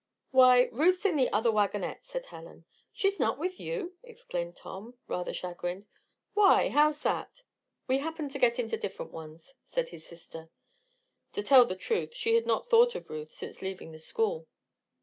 "Why Ruth's in the other wagonette," said Helen. "She's not with you?" exclaimed Tom, rather chagrined. "Why, how's that?" "We we happened to get into different ones," said his sister. To tell the truth, she had not thought of Ruth since leaving the school.